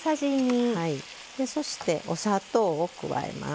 そして、お砂糖を加えます。